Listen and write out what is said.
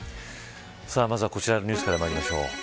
まずは、こちらのニュースからまいりましょう。